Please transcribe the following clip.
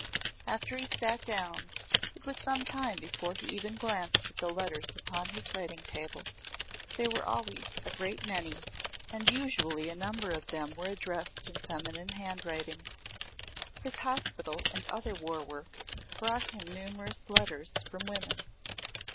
After he sat down it was some time before he even glanced at the letters upon his writing table. There were always a great many and usually a number of them were addressed in feminine handwriting. His hospital and other war work brought him numerous letters from women.